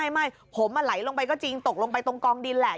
ไม่ผมไหลลงไปก็จริงตกลงไปตรงกองดินแหละ